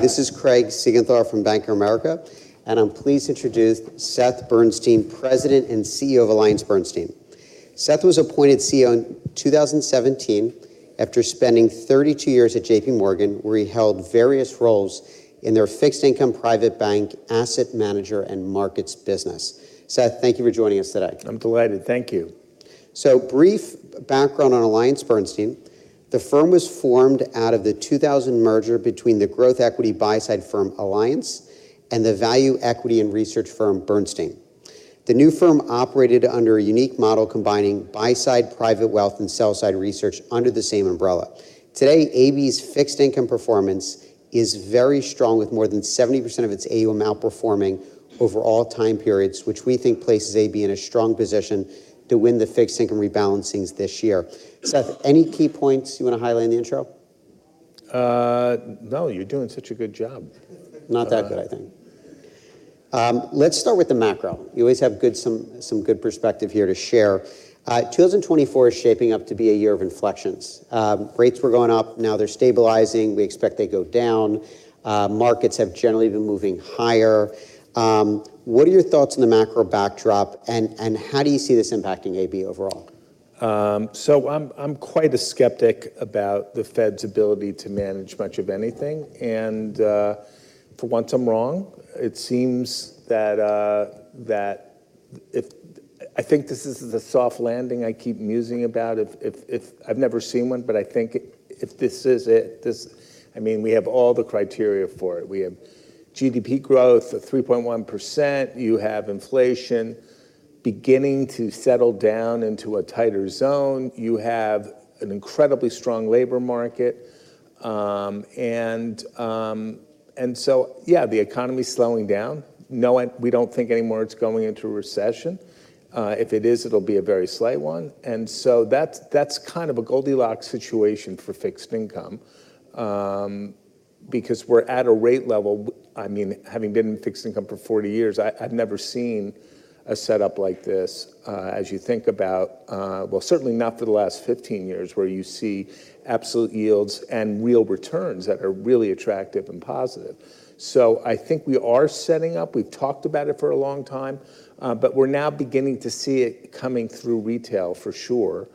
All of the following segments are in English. This is Craig Siegenthaler from Bank of America, and I'm pleased to introduce Seth Bernstein, President and CEO of AllianceBernstein. Seth was appointed CEO in 2017 after spending 32 years at J.P. Morgan, where he held various roles in their fixed-income private bank, asset manager, and markets business. Seth, thank you for joining us today. I'm delighted. Thank you. Brief background on AllianceBernstein. The firm was formed out of the 2000 merger between the growth equity buy-side firm Alliance and the value equity and research firm Bernstein. The new firm operated under a unique model combining buy-side private wealth and sell-side research under the same umbrella. Today, AB's fixed-income performance is very strong, with more than 70% of its AUM outperforming over all time periods, which we think places AB in a strong position to win the fixed-income rebalancings this year. Seth, any key points you want to highlight in the intro? No, you're doing such a good job. Not that good, I think. Let's start with the macro. You always have some good perspective here to share. 2024 is shaping up to be a year of inflections. Rates were going up. Now they're stabilizing. We expect they go down. Markets have generally been moving higher. What are your thoughts on the macro backdrop, and how do you see this impacting AB overall? So I'm quite a skeptic about the Fed's ability to manage much of anything. And for once, I'm wrong. It seems that if I think this is the soft landing I keep musing about. I've never seen one, but I think if this is it, I mean, we have all the criteria for it. We have GDP growth of 3.1%. You have inflation beginning to settle down into a tighter zone. You have an incredibly strong labor market. And so, yeah, the economy's slowing down. No, we don't think anymore it's going into a recession. If it is, it'll be a very slight one. And so that's kind of a Goldilocks situation for fixed income because we're at a rate level. I mean, having been in fixed income for 40 years, I've never seen a setup like this as you think about, well, certainly not for the last 15 years where you see absolute yields and real returns that are really attractive and positive. So I think we are setting up. We've talked about it for a long time, but we're now beginning to see it coming through retail, for sure,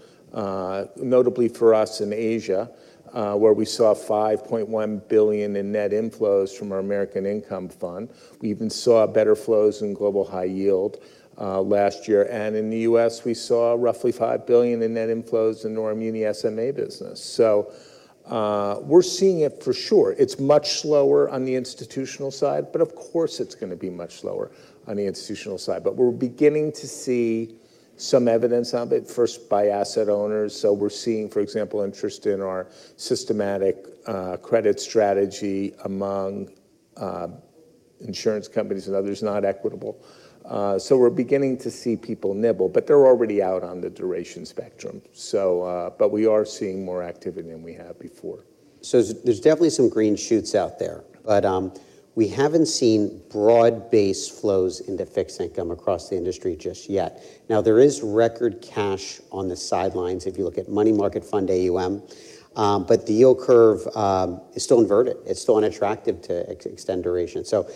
notably for us in Asia, where we saw $5.1 billion in net inflows from our American Income Fund. We even saw better flows in global high yield last year. And in the U.S., we saw roughly $5 billion in net inflows in our Muni SMA business. So we're seeing it for sure. It's much slower on the institutional side, but of course, it's going to be much slower on the institutional side. But we're beginning to see some evidence of it, first by asset owners. So we're seeing, for example, interest in our systematic credit strategy among insurance companies and others not Equitable. So we're beginning to see people nibble, but they're already out on the duration spectrum. But we are seeing more activity than we have before. So there's definitely some green shoots out there, but we haven't seen broad-based flows into fixed income across the industry just yet. Now, there is record cash on the sidelines if you look at Money Market Fund AUM, but the yield curve is still inverted. It's still unattractive to extend duration. So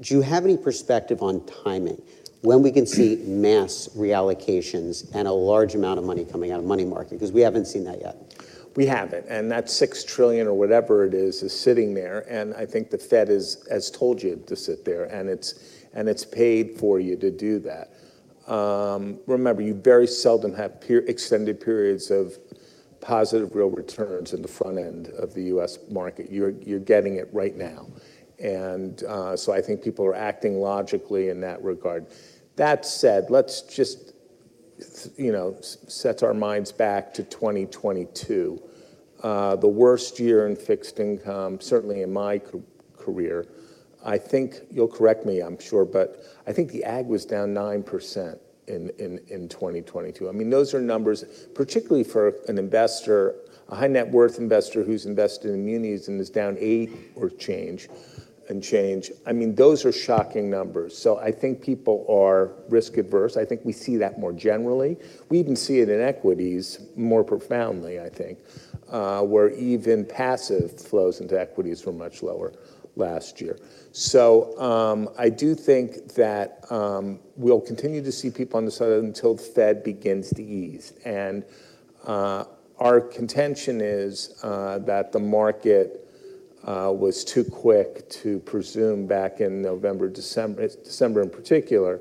do you have any perspective on timing when we can see mass reallocations and a large amount of money coming out of money market? Because we haven't seen that yet. We haven't. That $6 trillion or whatever it is is sitting there. I think the Fed has told you to sit there, and it's paid for you to do that. Remember, you very seldom have extended periods of positive real returns in the front end of the U.S. market. You're getting it right now. So I think people are acting logically in that regard. That said, let's just set our minds back to 2022, the worst year in fixed income, certainly in my career. I think you'll correct me, I'm sure, but I think the ag was down 9% in 2022. I mean, those are numbers, particularly for an investor, a high net worth investor who's invested in munis and is down 8 or change and change. I mean, those are shocking numbers. So I think people are risk-averse. I think we see that more generally. We even see it in equities more profoundly, I think, where even passive flows into equities were much lower last year. So I do think that we'll continue to see people on the side of it until the Fed begins to ease. And our contention is that the market was too quick to presume back in November, December in particular,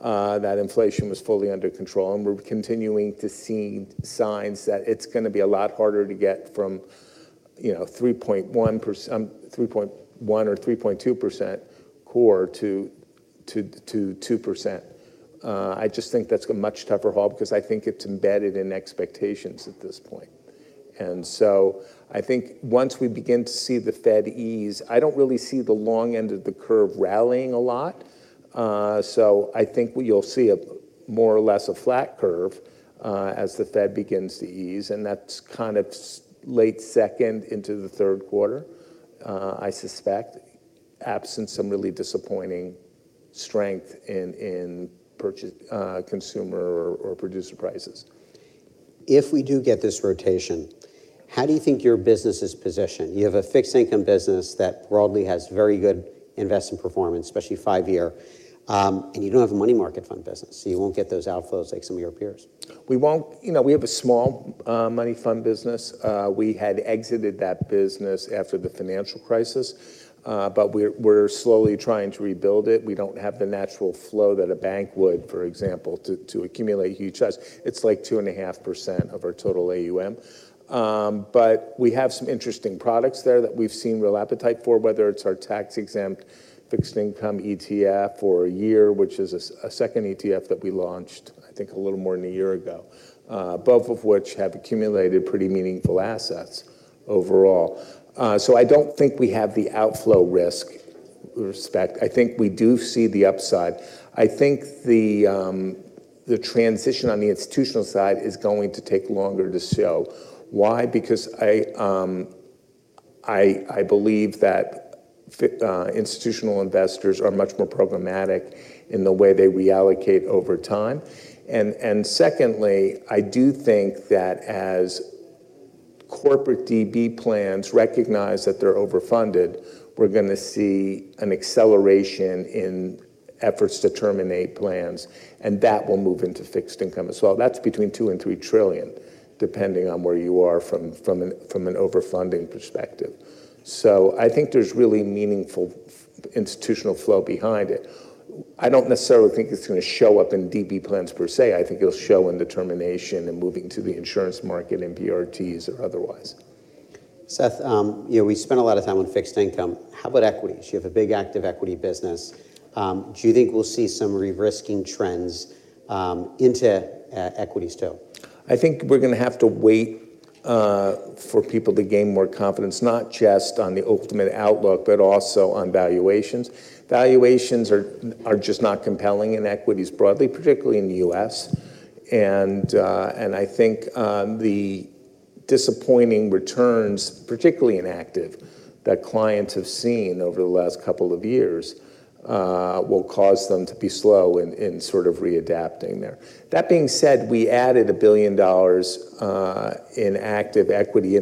that inflation was fully under control. And we're continuing to see signs that it's going to be a lot harder to get from 3.1% or 3.2% core to 2%. I just think that's a much tougher haul because I think it's embedded in expectations at this point. And so I think once we begin to see the Fed ease, I don't really see the long end of the curve rallying a lot. So I think you'll see more or less a flat curve as the Fed begins to ease. That's kind of late second into the third quarter, I suspect, absent some really disappointing strength in consumer or producer prices. If we do get this rotation, how do you think your business is positioned? You have a fixed-income business that broadly has very good investment performance, especially five-year, and you don't have a money market fund business, so you won't get those outflows like some of your peers. We have a small money fund business. We had exited that business after the financial crisis, but we're slowly trying to rebuild it. We don't have the natural flow that a bank would, for example, to accumulate huge size. It's like 2.5% of our total AUM. But we have some interesting products there that we've seen real appetite for, whether it's our tax-exempt fixed-income ETF or a year, which is a second ETF that we launched, I think, a little more than a year ago, both of which have accumulated pretty meaningful assets overall. So I don't think we have the outflow risk respect. I think we do see the upside. I think the transition on the institutional side is going to take longer to show. Why? Because I believe that institutional investors are much more programmatic in the way they reallocate over time. And secondly, I do think that as corporate DB plans recognize that they're overfunded, we're going to see an acceleration in efforts to terminate plans, and that will move into fixed income as well. That's between $2 and $3 trillion, depending on where you are from an overfunding perspective. I think there's really meaningful institutional flow behind it. I don't necessarily think it's going to show up in DB plans per se. I think it'll show in determination and moving to the insurance market and PRTs or otherwise. Seth, we spent a lot of time on fixed income. How about equities? You have a big active equity business. Do you think we'll see some re-risking trends into equities, too? I think we're going to have to wait for people to gain more confidence, not just on the ultimate outlook, but also on valuations. Valuations are just not compelling in equities broadly, particularly in the U.S. I think the disappointing returns, particularly in active, that clients have seen over the last couple of years will cause them to be slow in sort of readapting there. That being said, we added $1 billion in active equity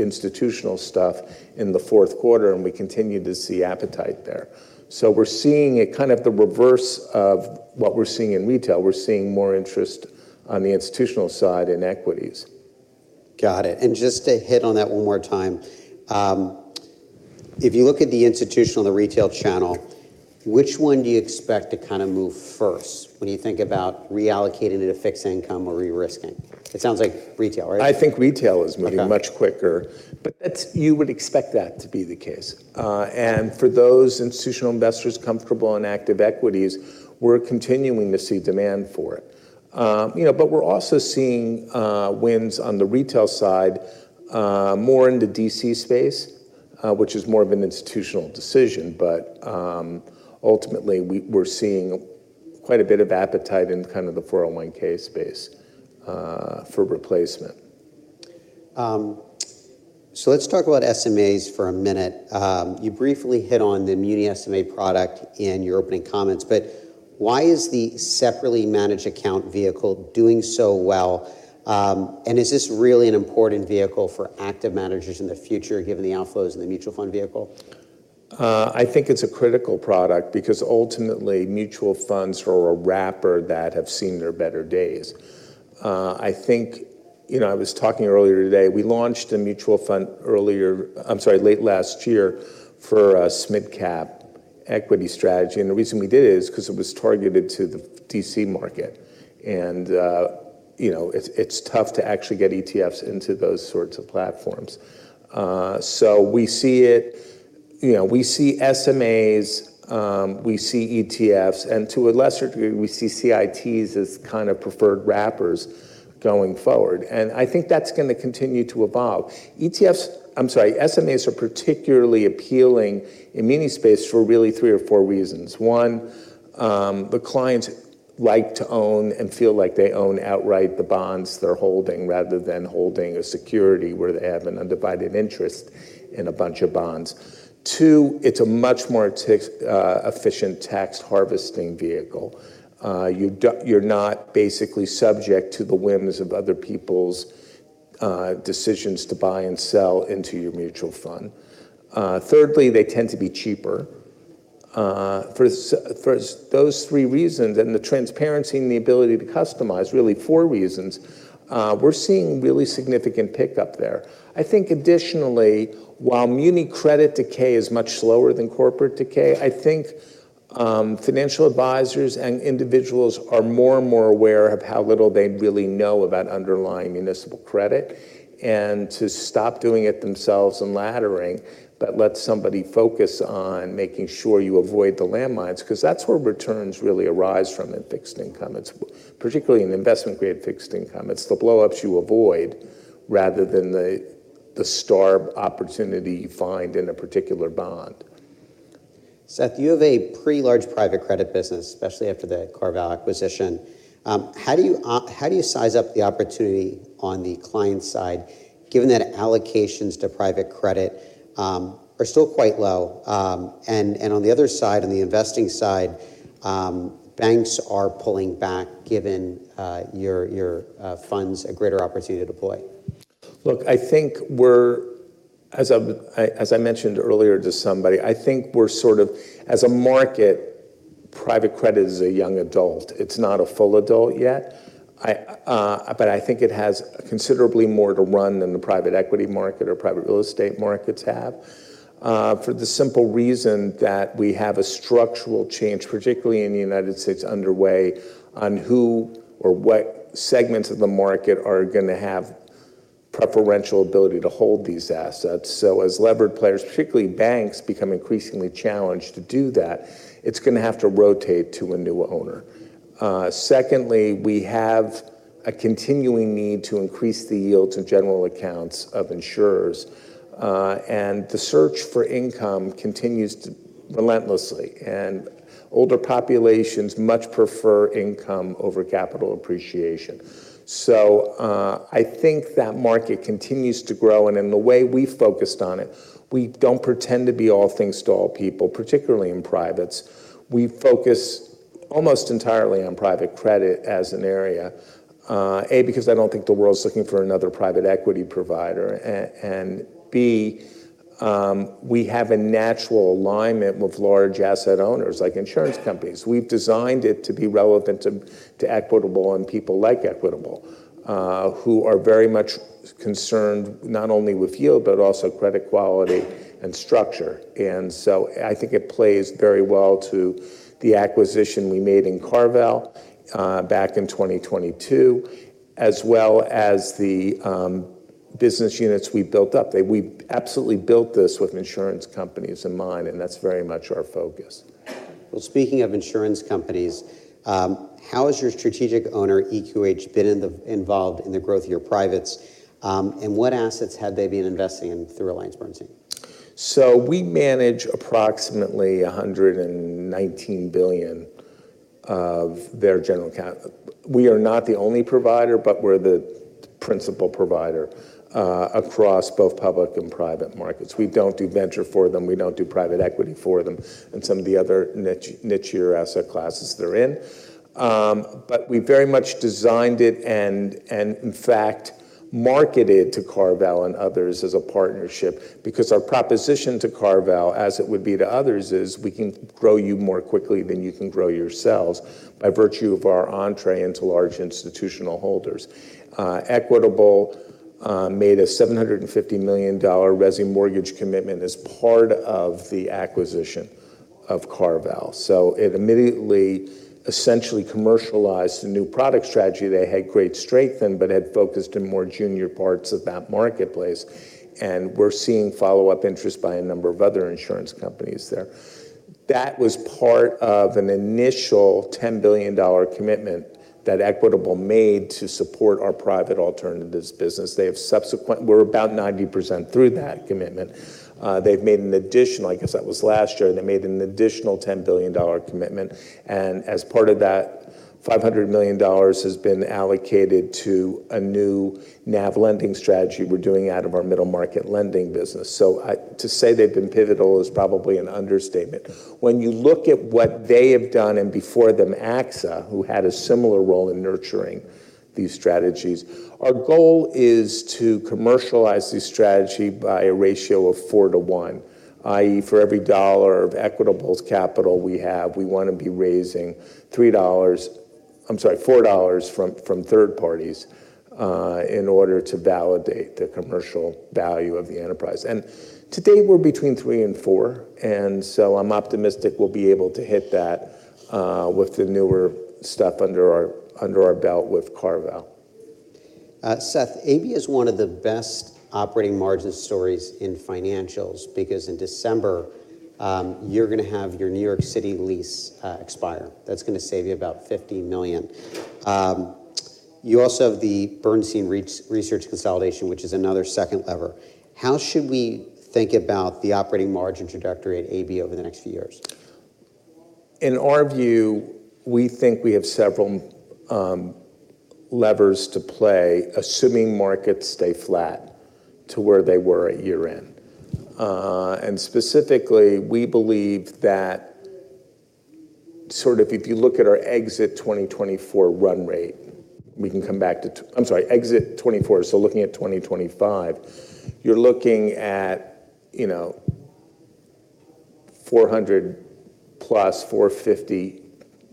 institutional stuff in the fourth quarter, and we continue to see appetite there. We're seeing kind of the reverse of what we're seeing in retail. We're seeing more interest on the institutional side in equities. Got it. And just to hit on that one more time, if you look at the institutional, the retail channel, which one do you expect to kind of move first when you think about reallocating into fixed income or re-risking? It sounds like retail, right? I think retail is moving much quicker. But you would expect that to be the case. And for those institutional investors comfortable in active equities, we're continuing to see demand for it. But we're also seeing wins on the retail side, more in the DC space, which is more of an institutional decision. But ultimately, we're seeing quite a bit of appetite in kind of the 401(k) space for replacement. Let's talk about SMAs for a minute. You briefly hit on the Muni SMA product in your opening comments. Why is the separately managed account vehicle doing so well? Is this really an important vehicle for active managers in the future, given the outflows in the mutual fund vehicle? I think it's a critical product because ultimately, mutual funds are a wrapper that have seen their better days. I think I was talking earlier today. We launched a mutual fund earlier—I'm sorry, late last year—for a SMid-cap equity strategy. And the reason we did it is because it was targeted to the DC market. And it's tough to actually get ETFs into those sorts of platforms. So we see it. We see SMAs. We see ETFs. And to a lesser degree, we see CITs as kind of preferred wrappers going forward. And I think that's going to continue to evolve. ETFs—I'm sorry, SMAs—are particularly appealing in muni space for really three or four reasons. One, the clients like to own and feel like they own outright the bonds they're holding rather than holding a security where they have an undivided interest in a bunch of bonds. Two, it's a much more efficient tax harvesting vehicle. You're not basically subject to the whims of other people's decisions to buy and sell into your mutual fund. Thirdly, they tend to be cheaper. For those three reasons and the transparency and the ability to customize, really four reasons, we're seeing really significant pickup there. I think additionally, while muni credit decay is much slower than corporate decay, I think financial advisors and individuals are more and more aware of how little they really know about underlying municipal credit. To stop doing it themselves and laddering, but let somebody focus on making sure you avoid the landmines because that's where returns really arise from in fixed income, particularly in investment-grade fixed income. It's the blowups you avoid rather than the arb opportunity you find in a particular bond. Seth, you have a pretty large private credit business, especially after the CarVal acquisition. How do you size up the opportunity on the client side, given that allocations to private credit are still quite low? And on the other side, on the investing side, banks are pulling back given your funds a greater opportunity to deploy? Look, I think we're, as I mentioned earlier to somebody, I think we're sort of, as a market, private credit is a young adult. It's not a full adult yet. But I think it has considerably more to run than the private equity market or private real estate markets have for the simple reason that we have a structural change, particularly in the United States, underway on who or what segments of the market are going to have preferential ability to hold these assets. So as levered players, particularly banks, become increasingly challenged to do that, it's going to have to rotate to a new owner. Secondly, we have a continuing need to increase the yields in general accounts of insurers. And the search for income continues relentlessly. And older populations much prefer income over capital appreciation. So I think that market continues to grow. In the way we focused on it, we don't pretend to be all things to all people, particularly in privates. We focus almost entirely on private credit as an area, A, because I don't think the world's looking for another private equity provider, and B, we have a natural alignment with large asset owners like insurance companies. We've designed it to be relevant to Equitable and people like Equitable who are very much concerned not only with yield but also credit quality and structure. And so I think it plays very well to the acquisition we made in CarVal back in 2022 as well as the business units we built up. We've absolutely built this with insurance companies in mind, and that's very much our focus. Well, speaking of insurance companies, how has your strategic owner, EQH, been involved in the growth of your privates? And what assets have they been investing in through AllianceBernstein? So we manage approximately $119 billion of their general account. We are not the only provider, but we're the principal provider across both public and private markets. We don't do venture for them. We don't do private equity for them and some of the other niche asset classes they're in. But we very much designed it and, in fact, marketed to CarVal and others as a partnership because our proposition to CarVal, as it would be to others, is we can grow you more quickly than you can grow yourselves by virtue of our entree into large institutional holders. Equitable made a $750 million residential mortgage commitment as part of the acquisition of CarVal. So it immediately, essentially, commercialized the new product strategy. They had great strength in but had focused in more junior parts of that marketplace. We're seeing follow-up interest by a number of other insurance companies there. That was part of an initial $10 billion commitment that Equitable made to support our private alternatives business. We're about 90% through that commitment. They've made an additional I guess that was last year. They made an additional $10 billion commitment. And as part of that, $500 million has been allocated to a new NAV lending strategy we're doing out of our middle market lending business. So to say they've been pivotal is probably an understatement. When you look at what they have done and before them, AXA, who had a similar role in nurturing these strategies, our goal is to commercialize this strategy by a ratio of 4-to-1, i.e., for every dollar of Equitable's capital we have, we want to be raising $3, I'm sorry, $4 from third parties in order to validate the commercial value of the enterprise. And today, we're between 3 and 4. So I'm optimistic we'll be able to hit that with the newer stuff under our belt with CarVal. Seth, AB is one of the best operating margin stories in financials because in December, you're going to have your New York City lease expire. That's going to save you about $50 million. You also have the Bernstein Research consolidation, which is another second lever. How should we think about the operating margin trajectory at AB over the next few years? In our view, we think we have several levers to play assuming markets stay flat to where they were at year-end. And specifically, we believe that sort of if you look at our exit 2024 run rate we can come back to I'm sorry, exit 2024. So looking at 2025, you're looking at 400-450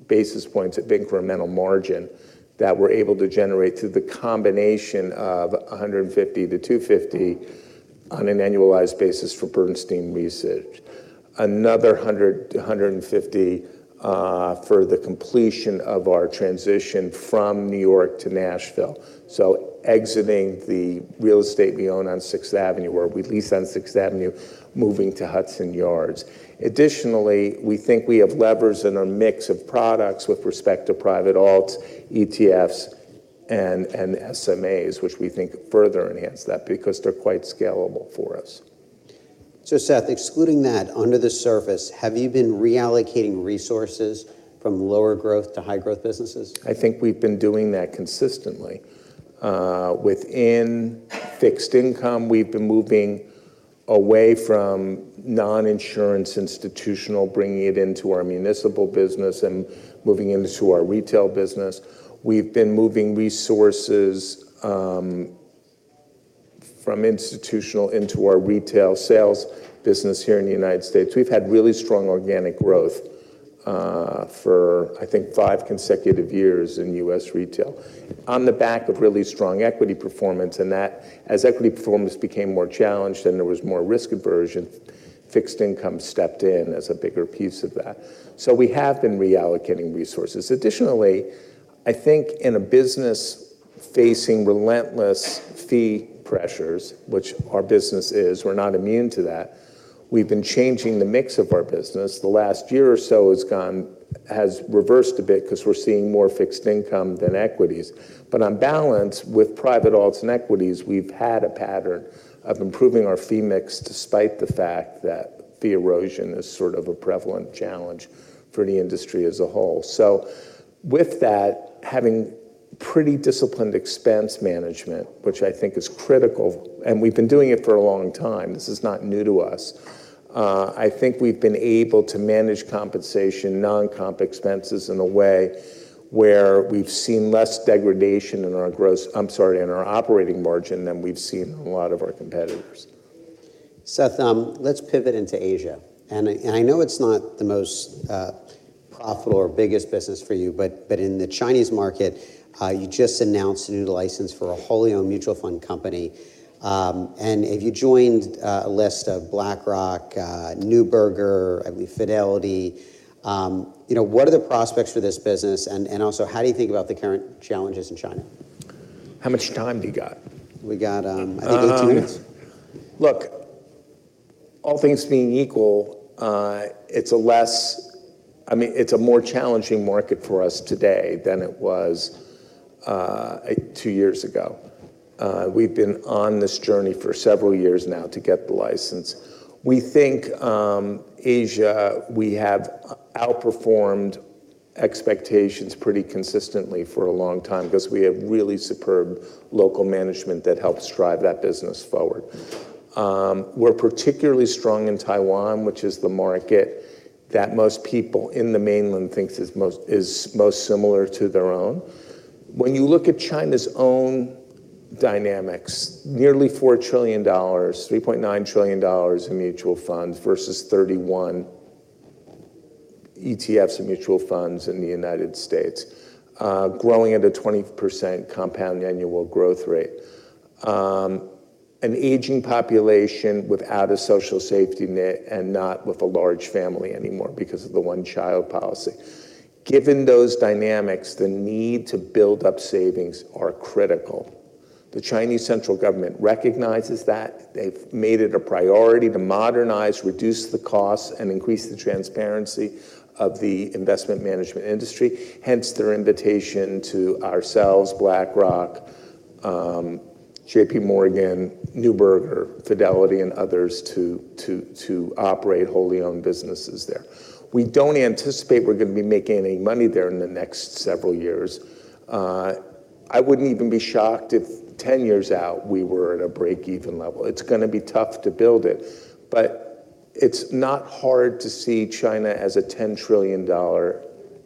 basis points at incremental margin that we're able to generate through the combination of 150-250 on an annualized basis for Bernstein Research, another 150 for the completion of our transition from New York to Nashville, so exiting the real estate we own on 6th Avenue where we lease on 6th Avenue, moving to Hudson Yards. Additionally, we think we have levers in our mix of products with respect to private alts, ETFs, and SMAs, which we think further enhance that because they're quite scalable for us. So, Seth, excluding that, under the surface, have you been reallocating resources from lower growth to high growth businesses? I think we've been doing that consistently. Within fixed income, we've been moving away from non-insurance institutional, bringing it into our municipal business and moving into our retail business. We've been moving resources from institutional into our retail sales business here in the United States. We've had really strong organic growth for, I think, five consecutive years in U.S. retail on the back of really strong equity performance. And as equity performance became more challenged and there was more risk aversion, fixed income stepped in as a bigger piece of that. So we have been reallocating resources. Additionally, I think in a business facing relentless fee pressures, which our business is, we're not immune to that. We've been changing the mix of our business. The last year or so has reversed a bit because we're seeing more fixed income than equities. But on balance, with private alts and equities, we've had a pattern of improving our fee mix despite the fact that fee erosion is sort of a prevalent challenge for the industry as a whole. So with that, having pretty disciplined expense management, which I think is critical and we've been doing it for a long time. This is not new to us. I think we've been able to manage compensation, non-comp expenses in a way where we've seen less degradation in our gross—I'm sorry, in our operating margin than we've seen in a lot of our competitors. Seth, let's pivot into Asia. I know it's not the most profitable or biggest business for you, but in the Chinese market, you just announced a new license for a wholly owned mutual fund company. Have you joined a list of BlackRock, Neuberger, I believe, Fidelity? What are the prospects for this business? And also, how do you think about the current challenges in China? How much time do you got? We got, I think, 18 minutes. Look, all things being equal, it's a less I mean, it's a more challenging market for us today than it was two years ago. We've been on this journey for several years now to get the license. We think Asia, we have outperformed expectations pretty consistently for a long time because we have really superb local management that helps drive that business forward. We're particularly strong in Taiwan, which is the market that most people in the mainland think is most similar to their own. When you look at China's own dynamics, nearly $4 trillion, $3.9 trillion in mutual funds versus $31 trillion in ETFs and mutual funds in the United States, growing at a 20% compound annual growth rate, an aging population without a social safety net and not with a large family anymore because of the one-child policy. Given those dynamics, the need to build up savings are critical. The Chinese central government recognizes that. They've made it a priority to modernize, reduce the costs, and increase the transparency of the investment management industry. Hence, their invitation to ourselves, BlackRock, J.P. Morgan, Neuberger, Fidelity, and others to operate wholly owned businesses there. We don't anticipate we're going to be making any money there in the next several years. I wouldn't even be shocked if 10 years out, we were at a break-even level. It's going to be tough to build it. But it's not hard to see China as a $10 trillion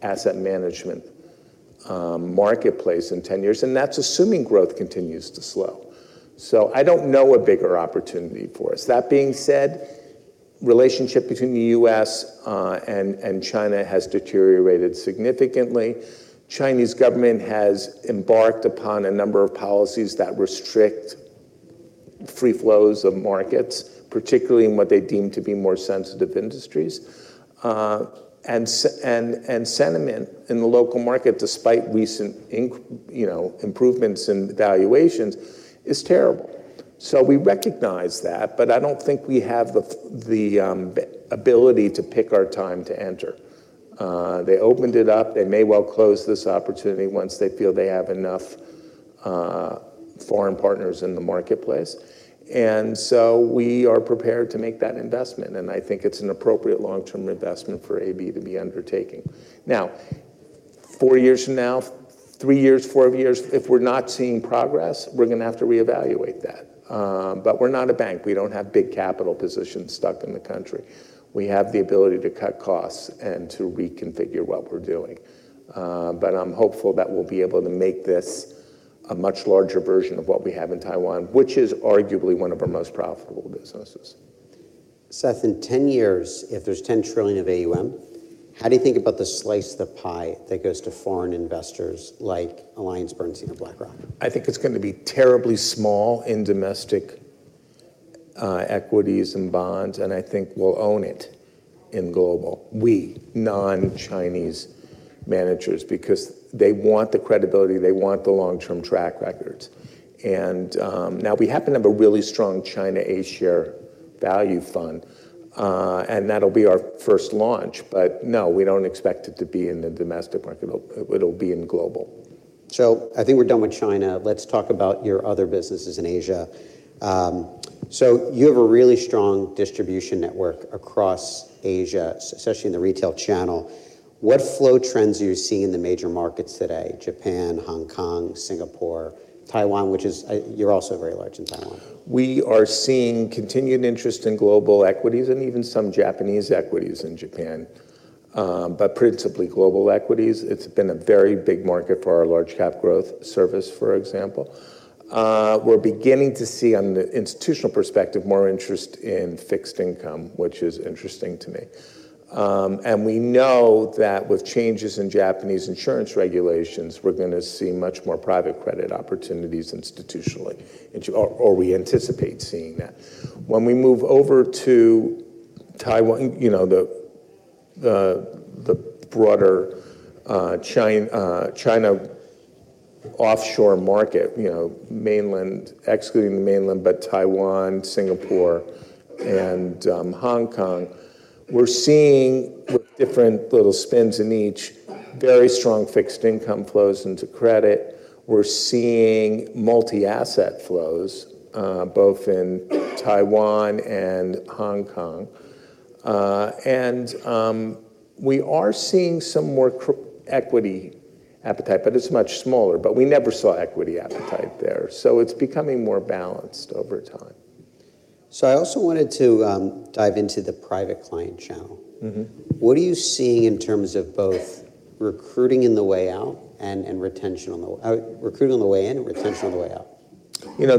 asset management marketplace in 10 years. And that's assuming growth continues to slow. So I don't know a bigger opportunity for us. That being said, the relationship between the U.S. and China has deteriorated significantly. The Chinese government has embarked upon a number of policies that restrict free flows of markets, particularly in what they deem to be more sensitive industries. Sentiment in the local market, despite recent improvements in valuations, is terrible. We recognize that, but I don't think we have the ability to pick our time to enter. They opened it up. They may well close this opportunity once they feel they have enough foreign partners in the marketplace. We are prepared to make that investment. I think it's an appropriate long-term investment for AB to be undertaking. Now, 4 years from now, 3 years, 4 years, if we're not seeing progress, we're going to have to reevaluate that. We're not a bank. We don't have big capital positions stuck in the country. We have the ability to cut costs and to reconfigure what we're doing. I'm hopeful that we'll be able to make this a much larger version of what we have in Taiwan, which is arguably one of our most profitable businesses. Seth, in 10 years, if there's $10 trillion of AUM, how do you think about the slice of the pie that goes to foreign investors like AllianceBernstein or BlackRock? I think it's going to be terribly small in domestic equities and bonds. And I think we'll own it in global, we non-Chinese managers because they want the credibility. They want the long-term track records. And now, we happen to have a really strong China A-Share Value Fund. And that'll be our first launch. But no, we don't expect it to be in the domestic market. It'll be in global. So I think we're done with China. Let's talk about your other businesses in Asia. So you have a really strong distribution network across Asia, especially in the retail channel. What flow trends are you seeing in the major markets today, Japan, Hong Kong, Singapore, Taiwan, which is you're also very large in Taiwan? We are seeing continued interest in global equities and even some Japanese equities in Japan, but principally global equities. It's been a very big market for our large-cap growth service, for example. We're beginning to see, on the institutional perspective, more interest in fixed income, which is interesting to me. We know that with changes in Japanese insurance regulations, we're going to see much more private credit opportunities institutionally, or we anticipate seeing that. When we move over to Taiwan, the broader China offshore market, excluding the mainland, but Taiwan, Singapore, and Hong Kong, we're seeing, with different little spins in each, very strong fixed income flows into credit. We're seeing multi-asset flows both in Taiwan and Hong Kong. We are seeing some more equity appetite, but it's much smaller. We never saw equity appetite there. It's becoming more balanced over time. I also wanted to dive into the private client channel. What are you seeing in terms of both recruiting in the way out and recruiting on the way in and retention on the way out?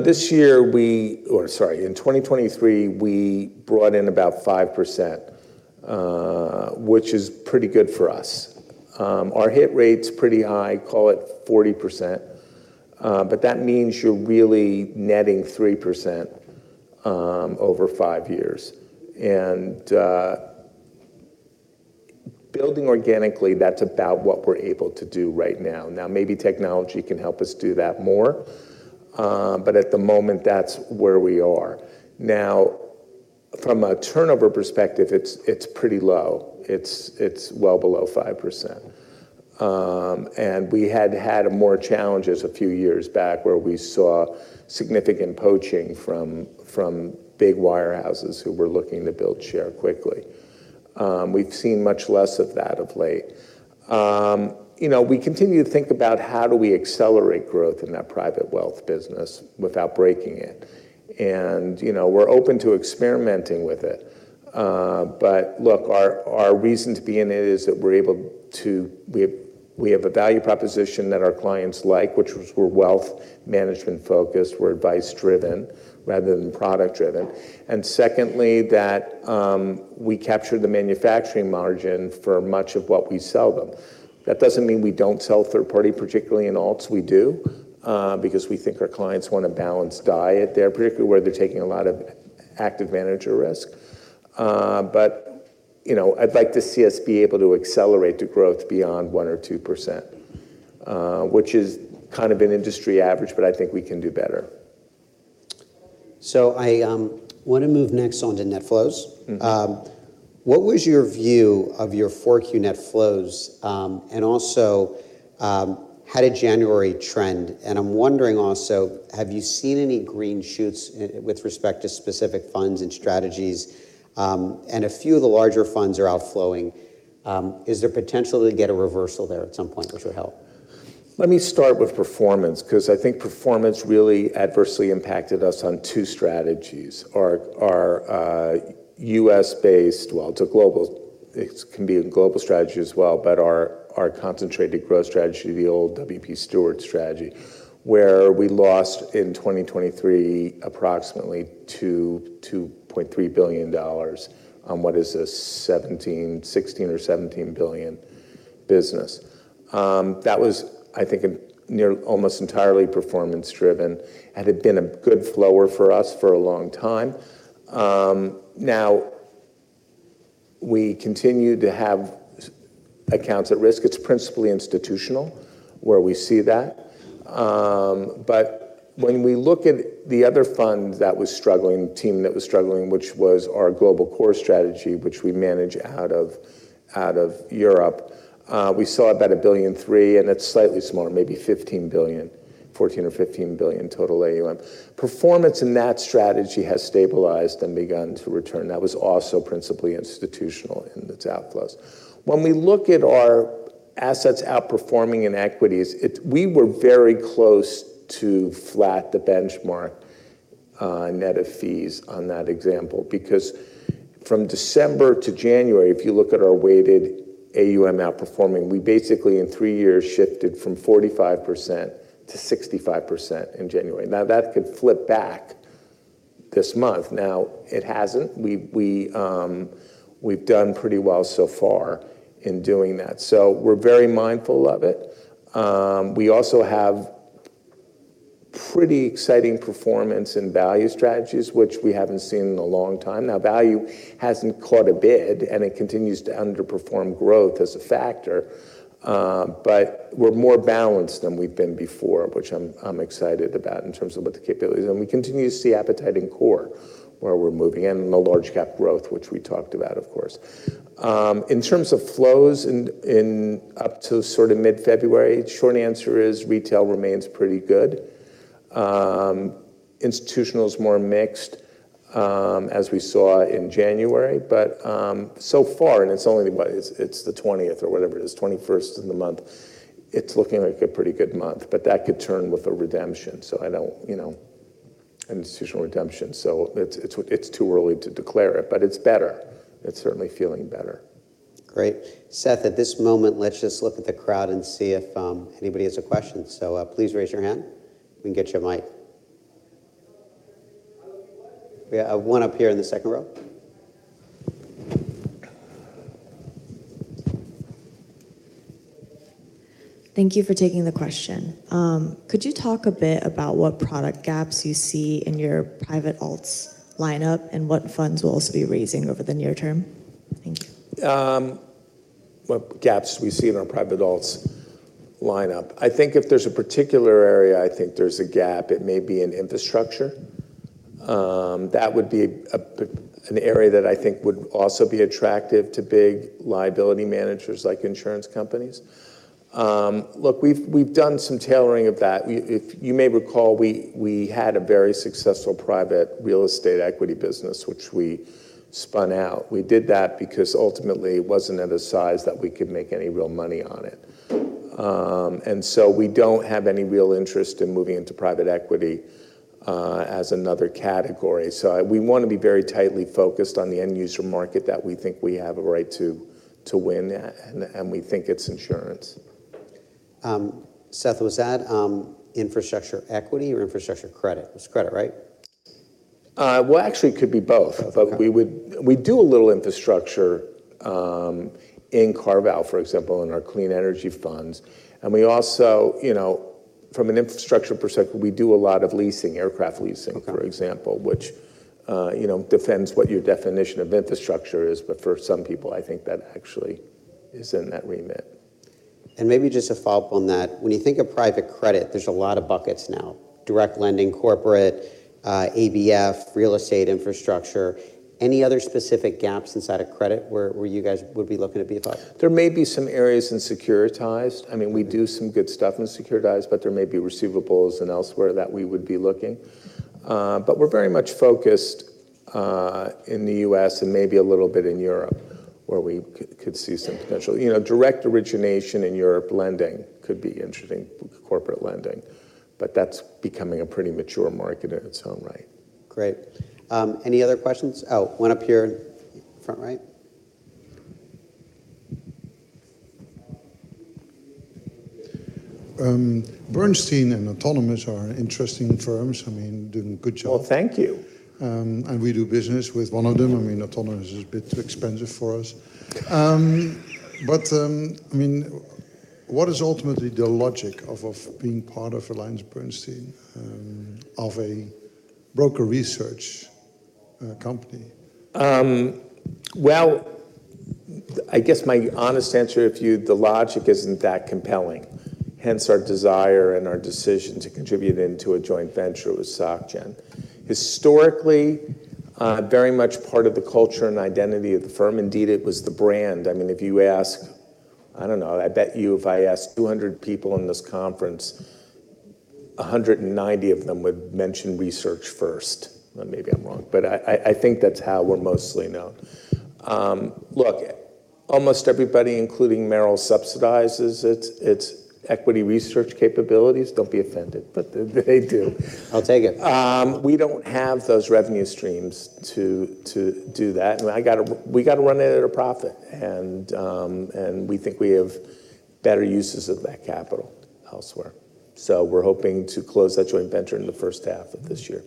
This year we or sorry, in 2023, we brought in about 5%, which is pretty good for us. Our hit rate's pretty high, call it 40%. But that means you're really netting 3% over five years. And building organically, that's about what we're able to do right now. Now, maybe technology can help us do that more. But at the moment, that's where we are. Now, from a turnover perspective, it's pretty low. It's well below 5%. And we had had more challenges a few years back where we saw significant poaching from big wirehouses who were looking to build share quickly. We've seen much less of that of late. We continue to think about how do we accelerate growth in that private wealth business without breaking it. And we're open to experimenting with it. But look, our reason to be in it is that we're able to have a value proposition that our clients like, which is we're wealth management focused. We're advice-driven rather than product-driven. And secondly, that we capture the manufacturing margin for much of what we sell them. That doesn't mean we don't sell third-party, particularly in alts. We do because we think our clients want a balanced diet there, particularly where they're taking a lot of active manager risk. But I'd like to see us be able to accelerate the growth beyond 1% or 2%, which is kind of an industry average. But I think we can do better. I want to move next on to net flows. What was your view of your 4Q net flows? Also, how did January trend? I'm wondering also, have you seen any green shoots with respect to specific funds and strategies? A few of the larger funds are outflowing. Is there potential to get a reversal there at some point with your help? Let me start with performance because I think performance really adversely impacted us on two strategies, our US-based well, it's a global it can be a global strategy as well, but our concentrated growth strategy, the old WP Stewart strategy, where we lost in 2023 approximately $2.3 billion on what is a $16 billion or $17 billion business. That was, I think, almost entirely performance-driven. It had been a good flow for us for a long time. Now, we continue to have accounts at risk. It's principally institutional where we see that. But when we look at the other fund that was struggling, team that was struggling, which was our global core strategy, which we manage out of Europe, we saw about $1.3 billion. It's slightly smaller, maybe $15 billion, $14 billion or $15 billion total AUM. Performance in that strategy has stabilized and begun to return. That was also principally institutional in its outflows. When we look at our assets outperforming in equities, we were very close to flat the benchmark net of fees on that example because from December to January, if you look at our weighted AUM outperforming, we basically, in three years, shifted from 45%-65% in January. Now, that could flip back this month. Now, it hasn't. We've done pretty well so far in doing that. So we're very mindful of it. We also have pretty exciting performance in value strategies, which we haven't seen in a long time. Now, value hasn't caught a bid. And it continues to underperform growth as a factor. But we're more balanced than we've been before, which I'm excited about in terms of what the capabilities are. And we continue to see appetite in core where we're moving and in the large-cap growth, which we talked about, of course. In terms of flows up to sort of mid-February, the short answer is retail remains pretty good. Institutional is more mixed as we saw in January. But so far and it's only what? It's the 20th or whatever it is, 21st in the month. It's looking like a pretty good month. But that could turn with a redemption. So I don't institutional redemption. So it's too early to declare it. But it's better. It's certainly feeling better. Great. Seth, at this moment, let's just look at the crowd and see if anybody has a question. So please raise your hand. We can get you a mic. We have one up here in the second row. Thank you for taking the question. Could you talk a bit about what product gaps you see in your private alts lineup and what funds will also be raising over the near term? Thank you. What gaps do we see in our private alts lineup? I think if there's a particular area, I think there's a gap. It may be in infrastructure. That would be an area that I think would also be attractive to big liability managers like insurance companies. Look, we've done some tailoring of that. If you may recall, we had a very successful private real estate equity business, which we spun out. We did that because, ultimately, it wasn't at a size that we could make any real money on it. And so we don't have any real interest in moving into private equity as another category. So we want to be very tightly focused on the end-user market that we think we have a right to win. And we think it's insurance. Seth, was that infrastructure equity or infrastructure credit? It was credit, right? Well, actually, it could be both. But we do a little infrastructure in CarVal, for example, in our clean energy funds. And we also, from an infrastructure perspective, we do a lot of leasing, aircraft leasing, for example, which defends what your definition of infrastructure is. But for some people, I think that actually is in that remit. Maybe just a follow-up on that. When you think of private credit, there's a lot of buckets now, direct lending, corporate, ABF, real estate infrastructure. Any other specific gaps inside of credit where you guys would be looking to be involved? There may be some areas in securitized. I mean, we do some good stuff in securitized. But there may be receivables and elsewhere that we would be looking. But we're very much focused in the U.S. and maybe a little bit in Europe where we could see some potential direct origination in Europe. Lending could be interesting, corporate lending. But that's becoming a pretty mature market in its own right. Great. Any other questions? Oh, one up here in the front right. Bernstein and Autonomous are interesting firms. I mean, doing a good job. Well, thank you. We do business with one of them. I mean, Autonomous is a bit too expensive for us. But I mean, what is ultimately the logic of being part of AllianceBernstein, of a broker research company? Well, I guess my honest answer to you, the logic isn't that compelling, hence our desire and our decision to contribute into a joint venture with SocGen. Historically, very much part of the culture and identity of the firm, indeed, it was the brand. I mean, if you ask I don't know. I bet you if I asked 200 people in this conference, 190 of them would mention research first. Maybe I'm wrong. But I think that's how we're mostly known. Look, almost everybody, including Merrill, subsidizes its equity research capabilities. Don't be offended. But they do. I'll take it. We don't have those revenue streams to do that. And we got to run it at a profit. And we think we have better uses of that capital elsewhere. So we're hoping to close that joint venture in the first half of this year.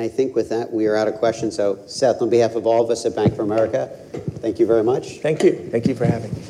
I think with that, we are out of questions. Seth, on behalf of all of us at Bank of America, thank you very much. Thank you. Thank you for having me.